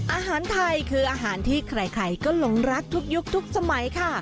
อาหารไทยคืออาหารที่ใครก็หลงรักทุกยุคทุกสมัยค่ะ